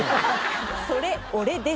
「それ俺です」